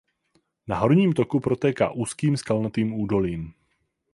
Na horním toku protéká úzkým skalnatým údolím.